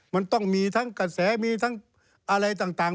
มันต้องมีทั้งกระแสมีทั้งอะไรต่าง